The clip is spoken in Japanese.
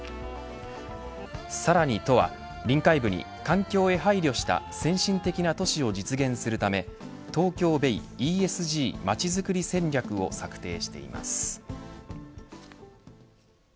さらに都は臨海部に環境に配慮した先進的な都市を実現するため東京ベイｅＳＧまちづくり戦略を策定しています。